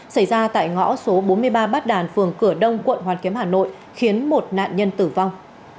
xảy ra tại ngõ số bốn mươi ba bát đàn phường cửa đông quận hoàn kiếm hà nội khiến một nạn nhân tử vong